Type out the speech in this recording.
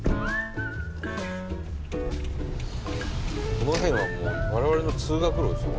この辺はもう我々の通学路ですよ。